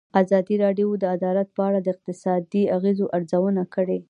ازادي راډیو د عدالت په اړه د اقتصادي اغېزو ارزونه کړې.